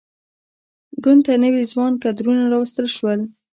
ګوند ته نوي ځوان کدرونه راوستل شول.